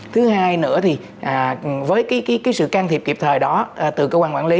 thứ hai nữa thì với sự can thiệp kịp thời đó từ cơ quan quản lý